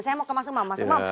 saya mau kemas mas